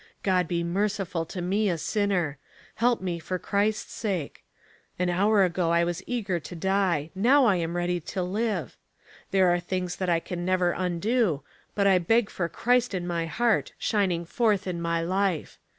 God be merciful to me a sinner. Help me for Christ's sake. An hour ago I was eager to die: now I am ready to live. There are things that I can never undo, but I beg for Christ in my heart, shining forth in my life.